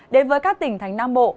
đến với các tỉnh thành nam bộ